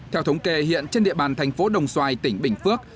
theo thống kê hiện trên địa bàn thành phố đồng xoài tỉnh bình phước